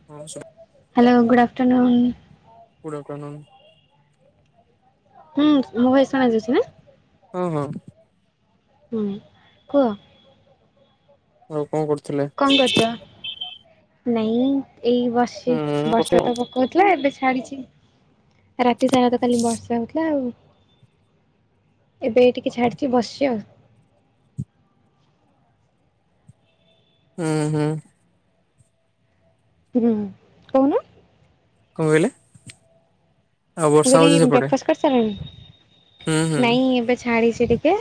[unintelligible] Hello good afternoon. Good -afternoon ହୁଁ ମୋ voice ଶୁଣା ଯାଉଛି ନା। ହଁ ହଁ ହୁଁ କୁହ। ଆଉ କଣ କରୁଥିଲେ? କଣ କରୁଛ? [inaudible] ନାଇଁ ଏଇ ବସିଛି ହୁଁ ବସି ବର୍ଷା ଆଉ ତ ହଉଥିଲା ଏବେ ଛାଡିଛି। ରାତି ସାରା ତ କାଲି ବର୍ଷା ହଉଥିଲା ଆଉ ଏବେ ଏଇଟିକେ ଛାଡିଛି। ବସିଚି ଆଉ ହୁଁ ହୁଁ। ହୁଁ କହୁନୁ କଣ କହିଲେ? ଆଉ ମୁଁ ବର୍ଷା କହିଲି ହଉଛି ସେପଟେ? ବ୍ରେକକ୍ଫାଷ୍ଟ ହୁଁ ହୁଁ କରିସାରିଲଣି। ନାଇଁ ଏବେ ଛାଡିଛି ଟିକେ।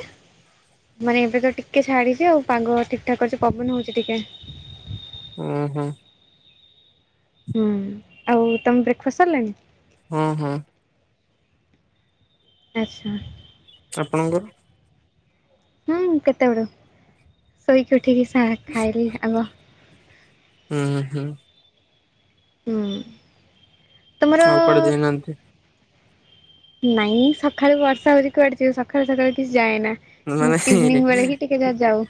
ମାନେ ଏବେ ତ ଟିକେ ଛାଡିଛି ଆଉ ପାଗ ଠିକ୍ ଠାକ୍ ଅଛି ପବନ ହଉଛି ଟିକେ। ଉଁ ହୁଁ ହୁଁ ଆଉ ତମ ବ୍ରେକ୍ ଫାଷ୍ଟ ସରିଲାଣି। ହଁ ହଁ ଆଚ୍ଛା ଆପଣଙ୍କର ହୁଁ କେତେବେଳୁ ଶୋଇକି ଉଠିକି ଶା ଖାଇଲି ଆଗ ଉଁ ହୁଁ ଉଁ ଆଉ କୁଆଡ଼େ ଯାଇନାହାନ୍ତି। ନାଇଁ ସଖାଳୁ ବର୍ଷା ହଉଛି କୁଆଡେ ଯିବୁ ସଖାଳୁ ସକାଳୁ କିଛି ଯାଏନା। ମାନେ ଇଭିନିଂ ବେଳେ ହିଁ ଟିକେ ଯା ଯାଉ।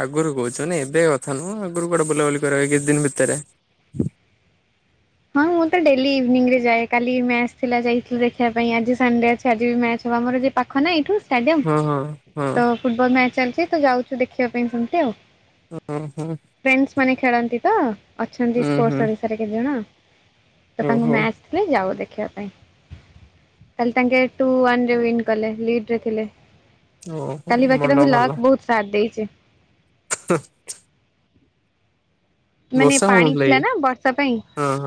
ଆଗରୁ କହୁଛ ନାଇ ଏବେ କଥା ନୁହଁ ଆଗରୁ କୁଆଡେ ବୁଲାବୁଲି କରିବା ଏଇ କିଛି ଦିନ ଭିତରେ ହଁ ମୁଁ ତ ଡେଲି ଇଭିନିଂ ରେ ଯାଏ। କାଲି ମ୍ୟାଚ୍ ଥିଲା ଯାଇଥିଲି ଦେଖିବା ପାଇଁ। ଆଜି ସଣ୍ଡେ ଅଛି ଆଜି ବି ମ୍ୟାଚ୍ ହବ ଆମର ଯେ ପାଖ ନା ଏଇଠୁ ଷ୍ଟାଡିୟମ। ହଁ ହଁ ହଁ ତ ଫୁଟବଲ୍ ମ୍ୟାଚ୍ ଚାଲିଛି ତ ଯାଉଛୁ ଦେଖିବା ପାଇଁ ସେମତି ଆଉ ହଁ ହଁ ଫ୍ରେଣ୍ଡ୍ସ ମାନେ ଖେଳନ୍ତି ତ ଅଛନ୍ତି ଉଁ ହୁଁ ସ୍ପୋର୍ଟ ଓଡିଶାରେ କେତେ ଜଣ? ତ ତାଙ୍କୁ ଓହୋ ମ୍ୟାଚ୍ ଥିଲେ ଯାଉ ଦେଖିବା ପାଇଁ। କାଲି ତାଙ୍କେ ଟୁ ୱାନ୍ ରେ ୱିନ୍ କଲେ ଲିଡ୍ ରେ ଥିଲେ। ଓହୋ କାଲି ବାକି ଭଲ ତାଙ୍କୁ ଭଲ। ଲକ୍ ବହୁତ୍ ସାଥ୍ ଦେଇଛି। [unintelligible] ମାନେ ବର୍ଷା ପାଣି ହଉନଥିଲା କି? ଥିଲା ନା ବର୍ଷା ପାଇଁ।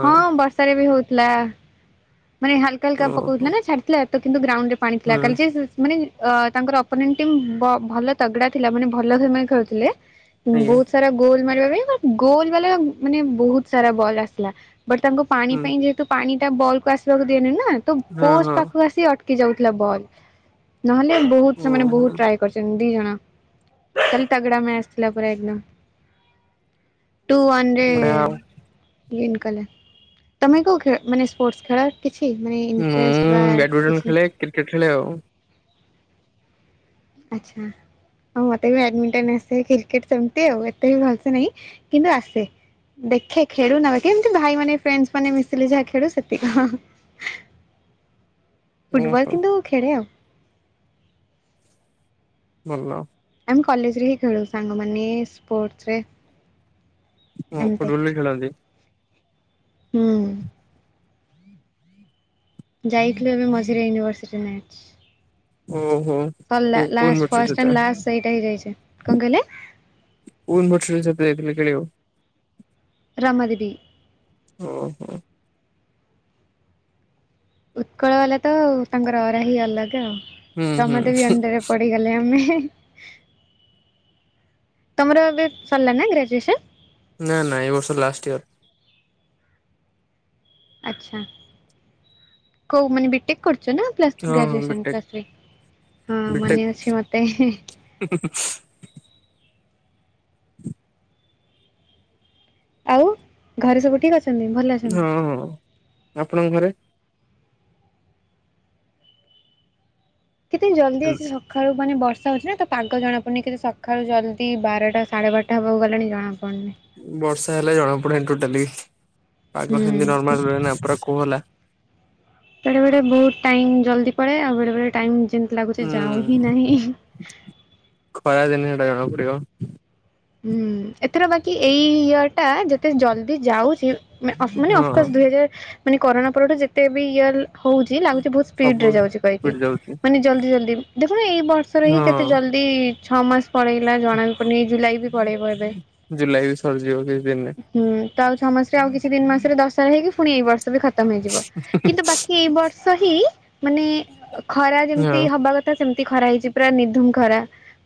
ହଁ ବର୍ଷାରେ ବି ହଉଥିଲା। ମାନେ ହାଲକା ହାଲକା ପକଉଥିଲା ଓହୋ ନା ଛାଡିଥିଲା ତ କିନ୍ତୁ ଗ୍ରାଉଣ୍ଡ ରେ ପାଣିଥିଲା ହୁଁ କାଲି ଯେହେତୁ ମାନେ ଅ ତାଙ୍କର ଅପୋନେଣ୍ଟ ଟିମ୍ ବ-ଭଲ ତଗଡ଼ା ଥିଲା ମାନେ ଭଲ ସେଇଥିପାଇଁ ଖେଳୁଥିଲେ ଆଜ୍ଞା ବହୁତ୍ ସାରା ଗୋଲ୍ ମାରିବା ପାଇଁ ଗୋଲ୍ ବାଲା ମାନେ ବହୁତ ସାରା ବଲ୍ ଆସିଥିଲା। ବଟ୍ ତାଙ୍କୁ ପାଣି ହୁଁ ପାଇଁ ଯେହେତୁ ପାଣି ଟା ବଲ୍ କୁ ଆସିବାକୁ ଦିଏନି ନା ତ ହଁ ପୋଷ୍ଟ୍ ହଁ ପାଖକୁ ଆସି ଅଟକି ଯାଉଥିଲା ବଲ୍ ନହଲେ ବହୁତ୍ ସେମାନେ ବହୁତ ଓହୋ ଟ୍ରାୟେ କରିଛନ୍ତି ଦି ଜଣ କାଲି ତାଗଡ଼ା ମ୍ୟାଚ୍ ଥିଲା ପୁରା ଏକ୍ଦମ୍। ଟୁ ୱାନ୍ ବଢିଆ ଆଉ ଗ୍ରୀନ କଲର ତମେ କୋଉ ଖେଳ ମାନେ ସ୍ପୋର୍ଟସ ଖେଳ କିଛି ମାନେ ଇଣ୍ଟରେଷ୍ଟ ବା କିଛି କ୍ରିକେଟ୍ ଖେଳେ ଆଉ। ଆଚ୍ଛା ଆଉ ମତେ ବି ବ୍ୟାଡମିଣ୍ଟନ ଆସେ କି? ସେମତି ଆଉ ଏତେ ବି ଭଲସେ ନାହିଁ କିନ୍ତୁ ଆସେ। ଦେଖେ ଖେଳୁ ନାହୁଁ ବା କେମିତି ଭାଇ ମାନେ ଫ୍ରେଣ୍ଡସ୍ ମାନେ ମିଶିଲେ ଯାହା ଖେଳୁ ସେତିକି ଫୁଟବଲ୍ ଓହୋ କିନ୍ତୁ ଖେଳେ ଆଉ। ଭଲ ଆମେ କଲେଜ ରେ ହିଁ ଖେଳୁ ସାଙ୍ଗମାନେ ସ୍ପୋର୍ଟସ୍ ରେ ଓ ଫୁଟବଲ୍ ବି ଖେଳନ୍ତି। ହୁଁ ଯାଇଥିଲୁ ଏବେ ମଝିରେ ୟୁନିଭର୍ସିଟି ମ୍ୟାଚ୍। ଓ ହୋ ସରିଲା ଲାଷ୍ଟ ଫାର୍ଷ୍ଟ ଆଣ୍ଡ ଲାଷ୍ଟ ସେଇଟା ହିଁ ଯାଇଛେ। କଣ କହିଲେ? କୋଉ ୟୁନିଭରସିଟି ସହିତ ଯାଇଥିଲେ ଖେଳିବାକୁ? ରମାଦେବୀ ଓ ହୋ। ଉତ୍କଳ ବାଲା ତ ତାଙ୍କର ଅରା ହିଁ ଅଲଗା ଆଉ ହୁଁ ହୁଁ ରମାଦେବୀ ଅଣ୍ଡରେ ପଡ଼ିଗଲେ ତମର ଏବେ ସରିଲା ନା ଗ୍ରାଜୁଏସନ। ନା ନା ଏ ବର୍ଷ ଲାଷ୍ଟ ଇୟର। ଆଛା କୋଉ ମାନେ ବିଟେକ୍ କରୁଛ ନା? ପ୍ଲସ୍ଥ ହଁ ହଁ ଗ୍ରାଜୁୟସନ୍ ବିଟେକ୍ ପ୍ଲସ୍ ଥ୍ରୀ ହଁ ମନେ ଅଛିି ମତେ। ହ [unintelligible] ଆଉ ଘରେ ସବୁ ଠିକ ଅଛନ୍ତି। ଭଲ ଅଛନ୍ତି? ହଁ ହଁ। ଆପଣଙ୍କ ଘରେ? କେତେ ଜଲ୍ଦି ହ୍ୟାଲୋ ଆସି ସକାଳୁ। ମାନେ ବର୍ଷା ହେଉଛି ନା ତ ପାଗ ଜଣାପଡ଼ୁନି କେତେ ସକାଳୁ ଜଲଦି ବାରଟା ସାଢ଼େ ବାରଟା ହେବାକୁ ଗଲାଣି ଜଣାପଡ଼ୁନି। ବର୍ଷା ହେଲା ଜଣାପଡୁେନି ଟୋଟାଲି। ପାଗ ସେମିତି ହୁଁ। ନର୍ମାଲ ରହ ନା ପୁରା କୋହ ହେଲା। ବେଳେ ବେଳେ ବହୁତ ଟାଇମ ଜଲ୍ଦି ପଡ଼େ, ଆଉ ବେଳେ ବେଳେ ଟାଇମ୍ ଯେମିତି ଲାଗୁଛି ହୁଁ ଯାଉ ହିଁ ନାହିଁ। ଖରା ଦିନ ଟା ଜଣା ପଡିବ। ହୁଁ ଏଥର ବାକି ଏଇ ଇୟ ଟା ଯେତେ ଜଲଦି ଯାଉଛି - ମାନେ ହଁ ଅଫକୋର୍ସ! ଦୁଇ ହଜାର ମାନେ କରୋନା ପରଠୁ ଯେତେ ବି ଇୟର ହଉଛି ଲାଗୁଛି ବହୁତ ସ୍ପିଡ ସବୁ ରେ ଯାଉଛି କହିକି। ସ୍ପିଡ ଯାଉଛି ମାନେ- ଜଲ୍ଦି ଜଲ୍ଦି। ଦେଖୁନ ଏଇ ବର୍ଷରେ ହିଁ କେତେ ହଁ ଜଲଦି ଛ ମାସ ପଳେଇଲା, ଜଣା ବି ପଡ଼ନି ଜୁଲାଇ ବି ପଳେଇବ। ଏବେ। ଜୁଲାଇ ବି ସରିଯିବ କିଛି ଦିନେ। ହୁଁ ତ ଆଉ ଛଅ ମାସରେ ଆଉ କିଛି ତିିନି ମାସରେ ଦଶ- ହେଇକି ପୁଣି ଏଇ ବର୍ଷ ବି ଖତମ ହେଇଯିବ। କିନ୍ତୁ ବାକି ଏଇ ବର୍ଷ ହିଁ ମାନେ ଖରା ଯେମିତି ହଁ ହବା କଥା ସେମିତି ଖରା ହେଇଛି। ପ୍ରାୟ ନିଧୁମ ଖରା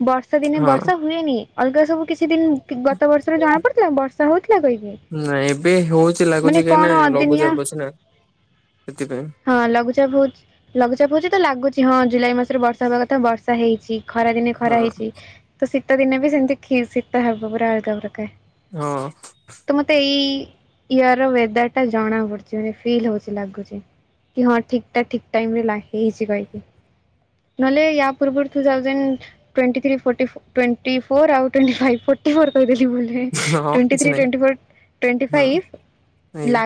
ବର୍ଷା ଦିନେ ହଁ। ବର୍ଷା ହୁଏନି ଅଲଗା ସବୁ କିଛି ଦିନ ଗତ ବର୍ଷରେ ଜଣା ପଡ଼ିଥିଲା ବର୍ଷା ହେଉଥିଲା କହିକି। ନା ଏବେ ହଉଛି ମାନେ ଲାଗୁଛି କାହିଁ କଣ ନା ଅଦିନିଆ ଲଗୁଚାପ ଅଛି ନା ସେଥିପାଇଁ। ହଁ ଲଘୁଚାପ ହଉଛିି ଲଘୁଚାପ ହଉଛି ତ ଲାଗୁଛି ହଁ ଜୁଲାଇ ମାସରେ ବର୍ଷା ହବା କଥା ବର୍ଷା ହେଇଛି। ଖରା ଦିନେ ଖରା ହଁ। ହେଇଛି। ତ ଶୀତ ଦିନେ ବି ସେମିତି ଶୀତ ହବ ପୁରା ଅଲଗା ପ୍ରକାର। ହଁ ତ ମତେ ଏଇ ଇୟ ର ୱେଦର ଟା ଜଣା ପଡୁଛି ମାନେ ଫିଲ୍ ହଉଛି ଲାଗୁଛି। କି ହଁ ଠିକ ଟା ଠିକ ଟାଇମ ରେ ଲାଗ ହେଇଛି କହିକି। ନହେଲେ ୟ ପୂର୍ବରୁ ଟୁ ଥାଉଜେଣ୍ଡ ଦେ ହଁ କିଛି ନାହିଁ [unintelligible] [unintelligible] ହଁ ଆଜ୍ଞା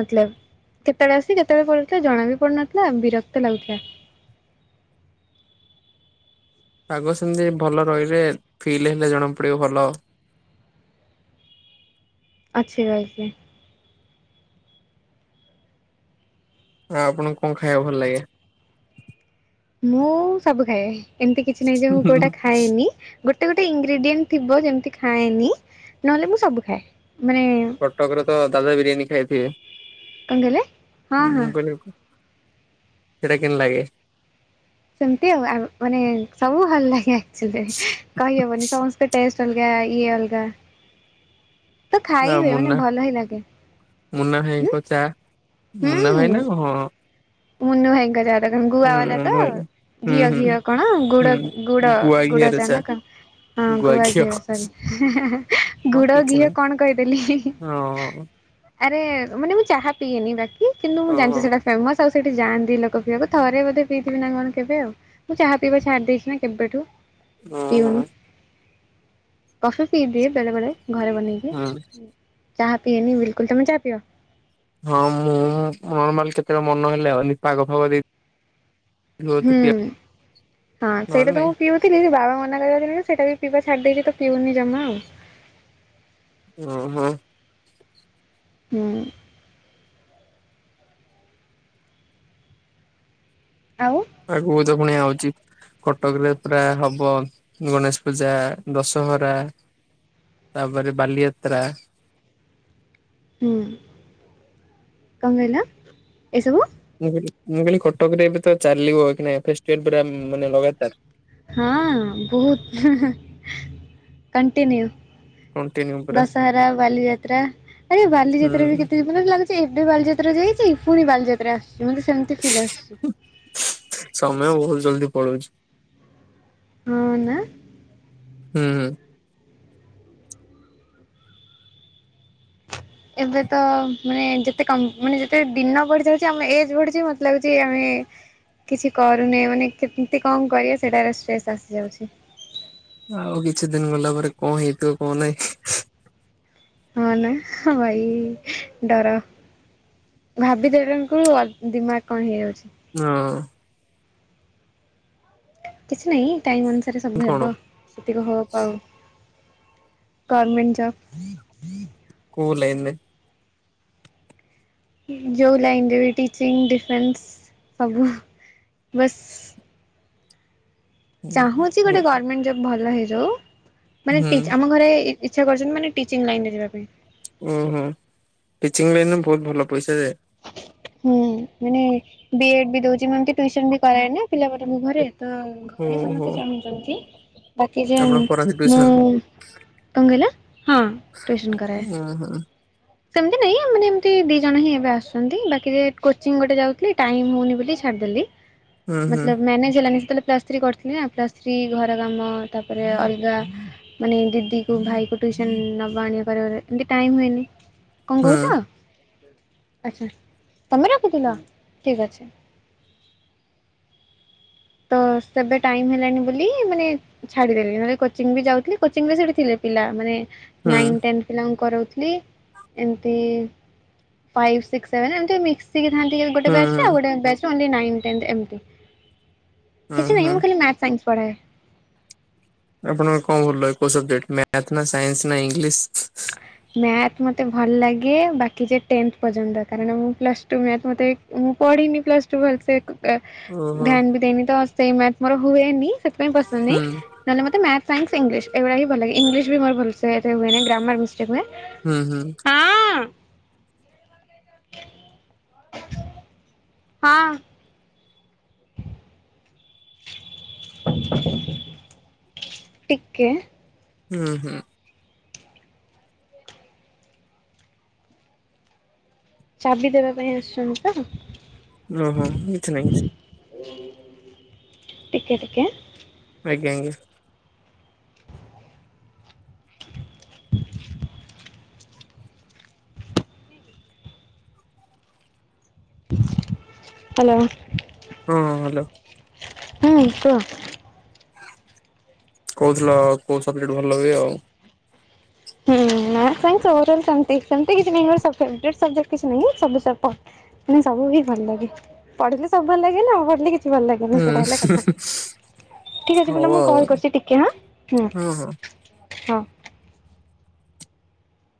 ମତଲବ [inaudible] କେତେବେଳେ ଆସି କେତେବେଳେ ପଡ଼ୁଥିଲା ଜଣା ବି ପୁନଥିଲା ବିରକ୍ତ ଲାଗୁଥିଲା। ପାଗ ସେମିତି ଭଲ ରହିଲେ ଫିଲ୍ ହେଲେ ଜଣା ପଡ଼ିବ ଭଲ। ଆଛା ଆଜ୍ଞା। ହଁ ଆପଣଙ୍କୁ କଣ ଖାଇବା ଭଲ ଲାଗେ? ମୁଁ ସବୁ ଖାଏ। ଏମିତି କିଛି ନାହିଁ ଯେ ମୁଁ କୋଉଟା ଖାଏନି। ଗୋଟେ ଗୋଟେ ଇଂଗ୍ରେଡିଏଣ୍ଟ ଥିବ ଯେମିତି ଖାଏନି, ନହେଲେ ମୁଁ ସବୁ ଖାଏ। ମାନେ- କଟକରେ ତ ଦାଦା ବିରିୟାନୀ କଣ କହିଲେ ହଁ ଖାଇଥିବେ। ହଁ ମୁଁ କହିଲି- ସେଇଟା କେନ୍ ଲାଗେ। ସେମତି ଆଉ ମାନେ ସବୁ ଭଲ ଲାଗେ। ଆକଚୁଲି କହିହବନି ସମସ୍ତ ସେ ଅଲଗା ଇଏଆଲଗା! ତ ଖାଇ ଆଉ ହୁଏ ମାନେ ମୁନା ଭଲ ହିଁ ଲାଗେ। ମୁନା ଭାଇଙ୍କ ଚା ହୁଁ ମୁନା ଭାଇ ନା ହଁ ମୁନୁ ଭାଇଙ୍କ ଚା ଦେଖ ଗୁଆ ହୁଁ ବାଲା ତ ମୁନା ଭାଇ। ହୁଁ ଘିଅ ହୁଁ ଘିଅ କଣ ଗୁଡ ଗୁଡ ହୁଁ ଗୁଆ ଗୁଡ ଘିଅରେ ଚା ଚାାନା କଣ। ହଁ ଗୁଆ ଘିଅ। ସରି, ହଁ ଗୁଡ କିଛି ଘିଅ ନାହିଁ। କଣ କହିଦେଲି। ହଁ ଆରେ ମାନେ ମୁଁ ଚାହା ପିଇନି, ବାକି କିନ୍ତୁ ମୁଁ ଜାଣିଛି ଓହୋ ସେଟା ଫେମସ। ଆଉ ସେଇଠି ଯାଆନ୍ତି ଲୋକ ପିଇକୁ, ଥରେ ବୋଧେ ପିଇଥିବି ନା କଣ କେବେ ଆଉ ମୁଁ ଚାହା ପିଇବା ଛାଡି ଦେଇେଇଛି ନା କେବେଠୁ। ଓହୋ ପିଉନ କସ ପିଇ ଦିଏ ବେଳେ ବେଳେ। ଘରେ ବନେଇଦେଏ ହୁଁ। ଚାହା ପିଇଏନି ବିଲକୁଲ ତୁମେ ଚାହା ପିଅ? ହଁ ମୁଁ ନର୍ମାଲ କେତେବେଳେ ମନ ହେଲେ ଆଉ ପାଗ ଫାଗ ଦେଇ ହୁଁ ହଁ ନହେଲେ ସେଇଟା ତ ନାଇଁ ପି ବାବା ମନା କରୁ ସେଇଟା ବି ପିବା ଛାଡି ଦେଇଛି ତ ପିଉନି ଜମା ଆଉ। ଓ ହଁ। ହୁଁ। ଆଉ ଆଗକୁ ତ ପୁଣି ଆଉଛି। କଟକ ରେ ପୁରା ହବ ଗଣେଶ ପୂଜା ଦଶହରା। ତାପରେ ବାଲିଯାତ୍ରା। ହୁଁ କଣ କହିଲ ଏସବୁ ମୁଁ କହିଲି ମୁଁ କହିଲି କଟକରେ ଏବେ ତ ଚାଲିବ କି ନା ଫେଷ୍ଟିବାଲ ପୁରା ମାନେ ଲଗାତାର। ହଁ ବହୁତ କଣ୍ଟିନ୍ୟୁ କଣ୍ଟିନ୍ୟୁ ପୁରା ଦଶହରା ବାଲିଯାତ୍ରା ଆରେ ବାଲିଯାତ୍ରା ବି ହୁଁ। କେତ ମତେ ବି ଲାଗୁଛି ଏବେ ବାଲିଯାତ୍ରା ଯାଇଛି ପୁଣି ବାଲିଯାତ୍ରା ଆସୁଛି ମୋତେ ସେମିତି ଫିଲ୍ ଆସୁଛି। ସମୟ ବହୁତ ଜଲଦି ପଳଉଛି। ହଁ ନା। ହୁଁ। ଏବେ ତ ମାନେ ଯେତେ କମ୍ ମାନେ ଯେତେ ଦିନ ବଢ଼ିସାରୁଛି ଆମ ଏଜ୍ ବଢ଼ିଛି ମୋତେ ଲାଗୁଛି ଆମେ କିଛି କରୁନି ମାନେ କେମତି କଣ କରିବା ସେଇଟାରେ ଷ୍ଟ୍ରେସ୍ ଆସିଯାଉଛି। ଆଉ କିଛି ଦିନ ଗଲା ପରେ କଣ ହେଇଥିବ କଣ ନାହିଁ ହଁ ନା ହଁ ଏଇ ଡର ଭାବିଦେଙ୍କୁ ଦିମାଗ କଣ ହେଇଯାଉଛି। ହଁ। କିଛି ନାହିଁ ଟାଇମ ଅନୁସାରେ ସବୁ କଣ ହେବ? ସେତିକି ହବ ପାଉ ଗର୍ମେଣ୍ଟ ଜବ। [inaudible] କୋଉଁ ଲାଇନିରେ? ଯୋଉ ଲାଇନରେ ବି ଟିଚିଙ୍ଗ ଡିଫେନ୍ସ ସବୁ ବାସ ଚାହୁଁଛି ହୁଁ ଗୋଟେ ଗଭର୍ଣମେଣ୍ଟ ଜବ୍ ଭଲ ହେଇଯାଉ ମାନେ ହୁଁ ଟି ଆମ ଘରେ ଇଚ୍ଛା କରିଛନ୍ତି ମାନେ ଟିଚି ଲାଇନରେ ଯିବା ପାଇଁ। ଓହୋ ଟିଚିଂ ଲାଇନ ବହୁତ ଭଲ ପଇସା ଯାଏ। ହୁଁ ମାନେ ବି ଏଡ ବି ଦଉଛି ମନେ ଟିଉସନ ବି କରାଏନା ପିଲାଟ ଘରେ ତ ଘରେ ଓହୋ ସମସ୍ତେ ଚାହୁଁଛନ୍ତି। ବାକି ଯେ ଆପଣ କରନ୍ତି ମୁଁ ଟ୍ୟୁସନ? କଣ କହିଲ ହଁ ଟ୍ୟୁସନ୍ କରାଏ। ହଁ ହଁ। ସେମିତି ନାଇଁ ଆମେ ଏମିତି ଦି ଜଣ ହିଁ ଏବେ ଆସୁଛନ୍ତି ବାକି ଯେ କୋଚିଂ ଗୋଟେ ଯାଉଥିଲଥିଲେ ଟାଇମ ହଉନି ବୋଲି ଛାଡିଦେଲି। ହୁଁ ହୁଁ ମତଲଵ ମ୍ୟାନେଜ ହେଲା ନି। ପ୍ଲସଥୀ କରିଥିଲି ପ୍ଲସ ଥ୍ରୀ ଘର କାମ ତାପରେ ଅଲଗା। ମାନେ ଦିଦି କୁ ଭାଇ କ ଟ୍ୟୁସନ ନବା ଆଣିବା କରିବ ଏମିତି ଟାଇମ ହୁଏନି। କଣ କହୁଛ ଆଚ୍ଛା ତମେ ରଖିଥିଲ ଠିକ୍ ଅଛି। ତ ସେବେ ଟାଇମ ହେଲାଣି ବୋଲି ମାନେ ଛାଡିଦେଲି ନହେଲେ କୋଚିଂ ବି ଯାଉଥିଲେ କୋଚ ସେଠି ଥିଲେ ପିଲା ମାନେ ହୁଁ ହୁଁ ନାଇ ଟେନ ପିଲାଙ୍କୁ କରାଉଥିଲି ଏମତି ଫାଇଭ ସିକ୍ସ ସେଭେନ ଏମିତି ମିକ୍ସ ମିଶିକି ଥାନ୍ତି କି ଗୋଟେ ହୁଁ ବ୍ୟାଚରେ ହୁଁ। ଆଉ ଗୋଟେ ବ୍ୟାଚ ଓଲି ନାଇନ୍ ଟେନ୍ ଏମତି। ହୁଁ କିଛି ହୁଁ ନାହିଁ ଖାଲି ମ୍ୟାର୍ଥ ସାଇନ୍ସ ପଢାଏ। ଆପଣଙ୍କ କଣ ଭଲ କୋଉ ସବଜେକ୍ଟ ମ୍ୟାର୍ଥ ନା ସାଇନ୍ସ ନା। [unintelligible] ମ୍ୟାଥ୍ ମତେ ଭଲ୍ ଲାଗେ ବାକି ଯେ ଟେନ୍ଥ୍ ପର୍ଯ୍ୟନ୍ତ କାରଣ ମୁଁ ପ୍ଲସ୍ ଟୁ ମ୍ୟାଥ୍ ମତେ ଏ ମୁଁ ପଢି଼ନି ପ୍ଲସ୍ ଟୁ ଭଲସେ। ଅ ଓହୋ ଧ୍ୟାନ୍ ବି ଦେଇନି ତ ସେଇ ମ୍ୟାଥ୍ ମୋର ହୁଏନି ସେଥିପାଇଁ ପସନ୍ଦ ହୁଁ ନାଇଁ। ନହେଲେ ମତେ ମ୍ୟାଥ୍ ସାଇନ୍ସ ଇଂଲିଶ୍ ଏଗୁଡ଼ା ହି ଭଲ। ଇଂଲିଶ୍ ବି ମର ଭଲସେ ଏତେ ହୁଏନେଇ ଗ୍ରାମାର୍ ମିଷ୍ଟେକ୍ ହୁଏ। ହୁଁ ହୁଁ। ହଁ ହଁ। ଟିକେ। ଉଁ ହୁଁ। ଚାବି ଦେବା ପାଇଁ ଆସଚନ୍ତି ତ। ଓହୋ କିଛି ନାଁ କିଛି। ଟିକେ ଟିକେ। ଆଜ୍ଞା ଙ୍ଗେ ହାଲୋ। ହଁ ହାଲୋ। ହୁଁ କୁହ। କୋହୁଥୁଲ କୋଉ ସବଜେକ୍ଟ୍ ଭଲ ହୁଏ ଆଉ। ହୁଁ ନାଁ କାଇଁ ସବୁ ରାଲ୍ ସେମତି। ସେମତି କିଛି ନାଇଁ ମୋର ସ ଫେବରେଟ୍ ସବଜେକ୍ଟ କିଛି ନାଇଁ। ସବୁ ସ ପ ନାଇଁ ସବୁ କି ଭଲ ଲାଗେ। ପଢ଼ିଲେ ସବୁ ଭଲ ଲାଗେ ନପଢି଼ଲେ କି ଇ ଭଲ ଲାଗେନି ହୁଁ ସେଇଟା ହେଲା କଥା। ଠିକ୍ ଅଛି ମୁଁ ହଉ ତମୁ ଆଉ କଲ୍ କରୁଚି ଟିକେ ହାଁ ହୁଁ। ହଁ ହଁ। ହଁ।